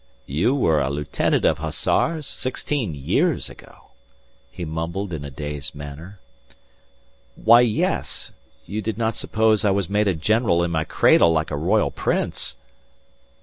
"You were a lieutenant of Hussars sixteen years ago?" he mumbled in a dazed manner. "Why, yes! You did not suppose I was made a general in my cradle like a royal prince."